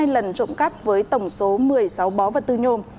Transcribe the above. hai lần trộm cắt với tổng số một mươi sáu bó vật tư nhôm